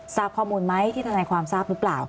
ทราบข้อมูลไหมที่ทนายความทราบหรือเปล่า